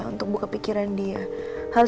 untuk buka pikiran dia